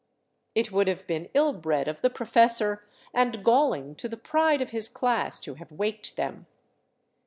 It would have been ill bred of the professor, and galling to the " pride " of his class, to have waked them.